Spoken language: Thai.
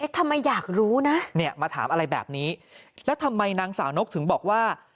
ทำไมอยากรู้นะเนี่ยมาถามอะไรแบบนี้แล้วทำไมนางสาวนกถึงบอกว่า